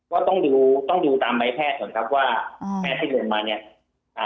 ก็ต้องดูต้องดูตามใบแพทย์หน่อยครับว่าแพทย์ที่เริ่มมาเนี่ย